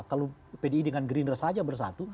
kalau pdi dengan gerindra saja bersatu